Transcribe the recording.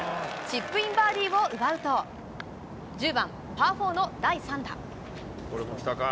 チップインバーディーを奪うと１０番パー４の第３打。